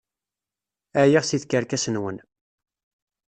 Ɛyiɣ seg tkerkas-nwen!